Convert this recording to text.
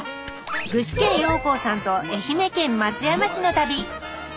具志堅用高さんと愛媛県松山市の旅。